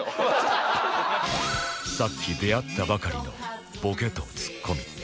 さっき出会ったばかりのボケとツッコミ